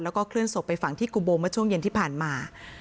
แล้วก็เคลื่อนศพไปฝังที่กุโบเมื่อช่วงเย็นที่ผ่านมา